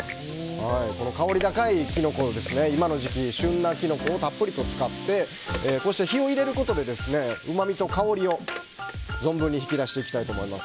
香り高いキノコを今の時期、旬なキノコをたっぷりと使ってこうして火を入れることでうまみと香りを存分に引き出していきたいと思います。